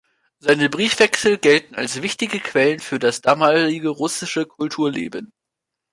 Seine Briefwechsel gelten als wichtige Quellen für das damalige russische Kulturleben.